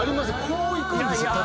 こういくんですよ。